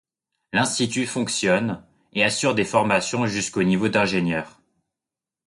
L'Institut fonctionne et assure des formations jusqu'au niveau d'ingénieur.